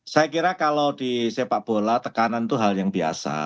saya kira kalau di sepak bola tekanan itu hal yang biasa